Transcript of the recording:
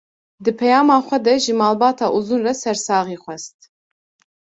Di peyama xwe de ji malbata Uzun re sersaxî xwest